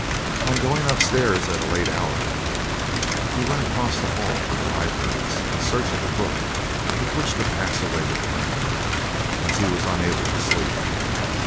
On going upstairs at a late hour he went across the hall to the libraries in search of a book with which to pass away the time, as he was unable to sleep.